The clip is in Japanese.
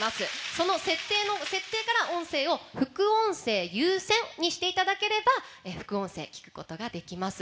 その設定から音声を副音声優先にしていただければ副音声、聞くことができます。